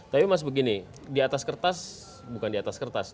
tapi mas begini di atas kertas bukan di atas kertas